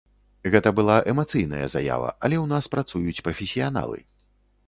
Гэта была эмацыйная заява, але ў нас працуюць прафесіяналы.